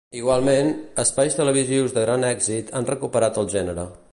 Igualment, espais televisius de gran èxit han recuperat el gènere.